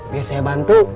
biar saya bantu